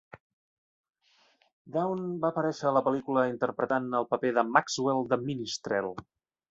Browne va aparèixer a la pel·lícula interpretant el paper de Maxwell The Minstrel.